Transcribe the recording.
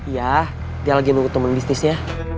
iya dia lagi nunggu temen bisnisnya